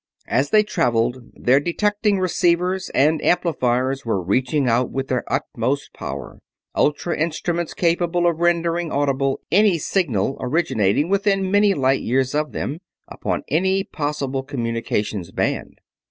As they traveled their detecting receivers and amplifiers were reaching out with their utmost power; ultra instruments capable of rendering audible any signal originating within many light years of them, upon any possible communications band.